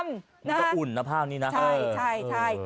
มันก็อุ่นนะผ้านี้นะใช่